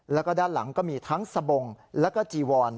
แล้วก็ด้านหลังก็มีทั้งสบงแล้วก็จีวอน